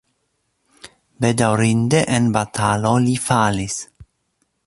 Bedaŭrinde en batalo li falis.